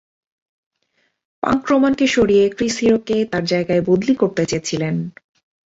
Punk Roman কে সরিয়ে Chris Hero কে তার জায়গায় বদলি করতে চেয়েছিল।